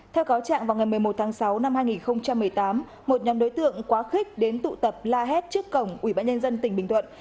theo cáo trạng vào ngày một mươi một tháng sáu năm hai nghìn một mươi tám một nhóm đối tượng quá khích đến tụ tập la hét trước cổng ủy ban nhân dân tỉnh bình thuận